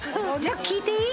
聞いていい？